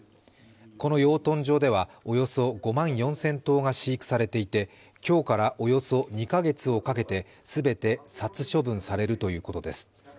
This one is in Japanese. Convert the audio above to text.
この養豚場ではおよそ５万４０００頭が飼育されていて、今日からおよそ２カ月をかけて全て殺処分されるということです。